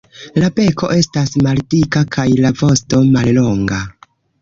La beko estas maldika kaj la vosto mallonga.